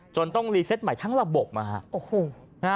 ต้องรีเซตใหม่ทั้งระบบนะฮะ